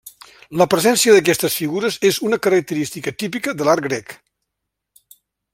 La presència d'aquestes figures és una característica típica de l'art grec.